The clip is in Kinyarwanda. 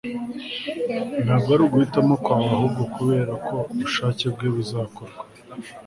ntabwo ari uguhitamo kwawe ahubwo kuberako ubushake bwe buzakorwa